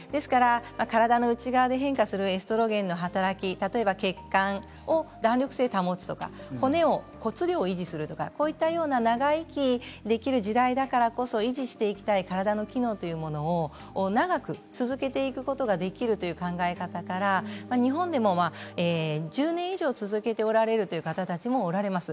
体の中で変化するエストロゲンの働き、血管の弾力性を保つとか骨量を維持するとか長生きできる時代だからこそ維持していきたい体の機能というものを長く続けていくことができるという考え方から日本でも１０年以上続けておられる方たちもおられます。